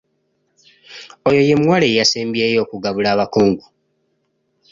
Oyo ye muwala eyasembyeyo okugabula abakungu.